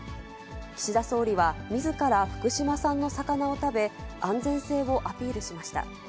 岸田総理はみずから福島産の魚を食べ、安全性をアピールしました。